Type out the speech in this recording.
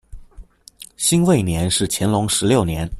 辛未年是乾隆十六年。